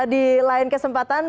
di lain kesempatan